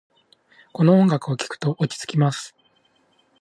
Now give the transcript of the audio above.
この音楽を聴くと落ち着きます。